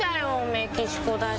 メキシコだし。